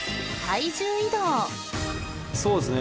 そうですね